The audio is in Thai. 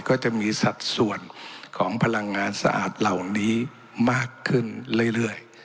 ก็จะมีสัดส่วนของพลังงานสะอาดเหล่านี้มากขึ้นเรื่อย